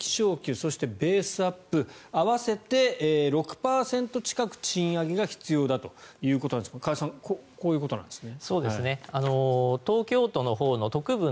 そして、ベースアップ合わせて６％近くの賃上げが必要だということで加谷さんこういうことなんですね。